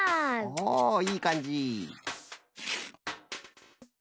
おおいいかんじ！